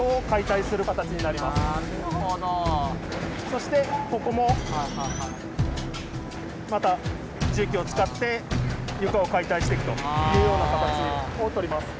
そしてここもまた重機を使って床を解体していくというような形をとります。